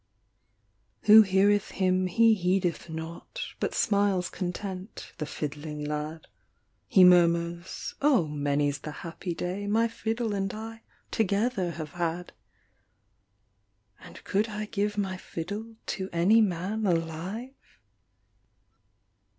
Who heareth him he heedeth not But smiles content, the fiddling lad; "He murmurs, "Oh many s the happy day, My fiddle and I together have had; And could I give my fiddle To any man alive?"